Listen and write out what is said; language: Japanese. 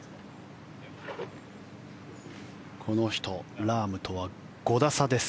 この人、ラームとは５打差です。